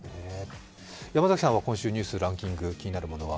山崎さんは今週ニュースランキングで気になるものは？